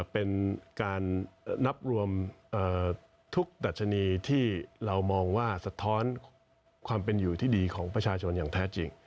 เป็นการนับรวมทุกดัชนีที่เรามองว่าสะท้อนความเป็นอยู่ที่ดีของประชาชนอย่างแท้จริง